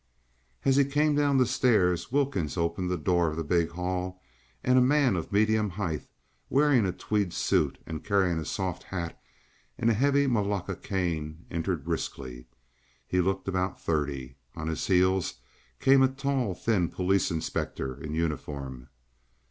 As he came down the stairs Wilkins opened the door of the big hall, and a man of medium height, wearing a tweed suit and carrying a soft hat and a heavy malacca cane, entered briskly. He looked about thirty. On his heels came a tall, thin police inspector in uniform.